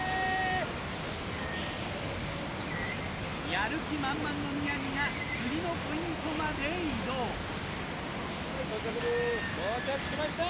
やる気満々の宮治が釣りのポイントまで移動到着しました！